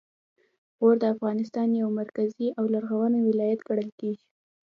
غور د افغانستان یو مرکزي او لرغونی ولایت ګڼل کیږي